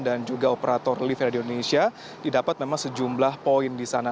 dan juga operator lift di indonesia didapat memang sejumlah poin di sana